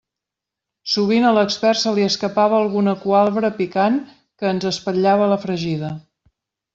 Sovint a l'expert se li escapava alguna cualbra picant que ens espatllava la fregida.